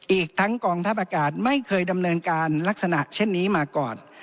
อีกทั้งกองทัพอากาศไม่เคยดำเนินการลักษณะเช่นนี้มาก่อน